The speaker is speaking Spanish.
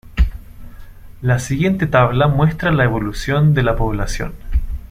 La siguiente tabla muestra la evolución de la población.